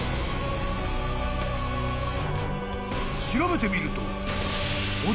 ［調べてみると］